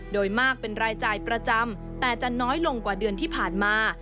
โดยมากเป็นรายจ่ายประจำแต่จะน้อยลงกว่าเดือนที่ผ่านมา